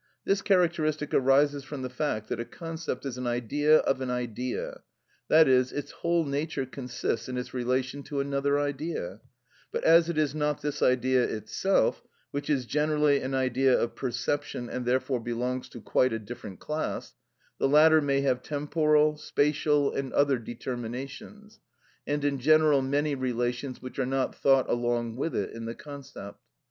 This characteristic arises from the fact that a concept is an idea of an idea, i.e., its whole nature consists in its relation to another idea; but as it is not this idea itself, which is generally an idea of perception and therefore belongs to quite a different class, the latter may have temporal, spacial, and other determinations, and in general many relations which are not thought along with it in the concept.